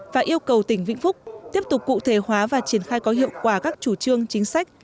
và yêu cầu tỉnh vĩnh phúc tiếp tục cụ thể hóa và triển khai có hiệu quả các chủ trương chính sách